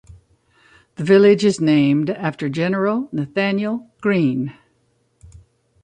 The village is named after General Nathanael Greene.